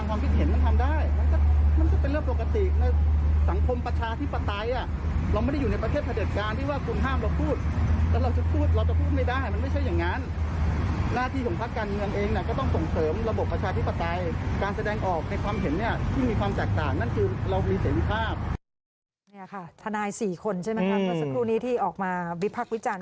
ก็สักครู่นี้ที่ออกมาวิพักวิจารณ์